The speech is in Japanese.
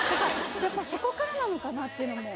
そこからなのかなっていうのも。